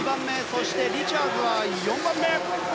そしてリチャーズは４番目。